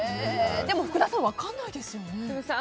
でも福田さん分からないですよね。